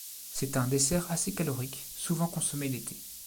C’est un dessert assez calorique, souvent consommé l’été.